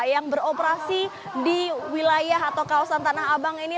yang beroperasi di wilayah atau kawasan tanah abang ini